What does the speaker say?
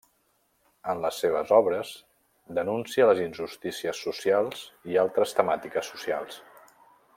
En les seues obres denúncia les injustícies socials i altres temàtiques socials.